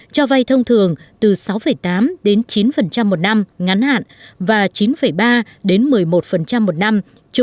cho vay thông thường từ sáu tám chín một năm